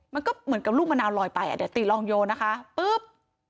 มันก็เหมือนกับลูกมะนาวลอยไปอ่ะเดี๋ยวติลองโยนนะคะปุ๊บ